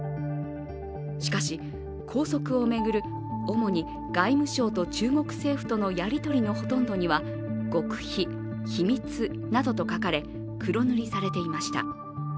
しかし、拘束を巡る主に外務省と中国政府とのやりとりのほとんどには極秘、秘密などと書かれ黒塗りされていました。